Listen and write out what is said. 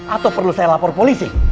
atau perlu saya lapor polisi